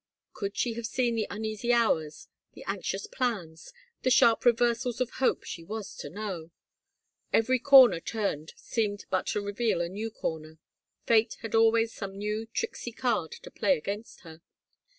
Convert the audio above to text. Could she have seen the uneasy hours, the anxious plans, the sharp reversals of hope she was to know 1 Every comer turned seemed but to reveal a new comer. Fate had always some new, tricksy card to play against her.